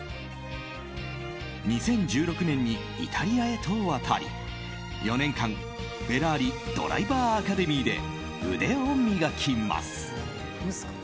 ２０１６年にイタリアへと渡り４年間フェラーリ・ドライバー・アカデミーで腕を磨きます。